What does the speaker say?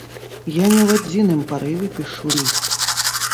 Я не ў адзіным парыве пішу ліст.